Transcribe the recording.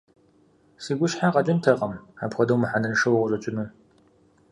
Си гущхьэ къэкӀынтэкъым, апхуэдэу мыхьэнэншэу укъыщӀэкӀыну.